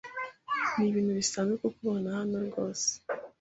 Nibintu bisanzwe kukubona hano rwose.